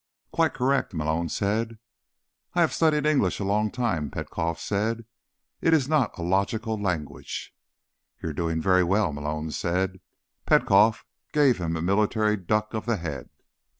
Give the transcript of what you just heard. "Quite correct," Malone said. "I have studied English a long time," Petkoff said. "It is not a logical language." "You're doing very well," Malone said. Petkoff gave him a military duck of the head.